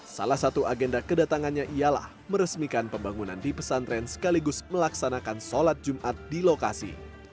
salah satu agenda kedatangannya ialah meresmikan pembangunan di pesantren sekaligus melaksanakan sholat jumat di lokasi